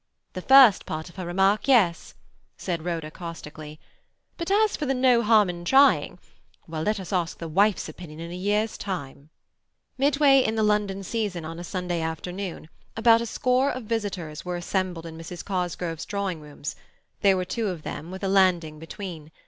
"The first part of her remark—yes," said Rhoda caustically. "But as for the "no harm in trying," well, let us ask the wife's opinion in a year's time." Midway in the London season on Sunday afternoon, about a score of visitors were assembled in Mrs. Cosgrove's drawing rooms—there were two of them, with a landing between.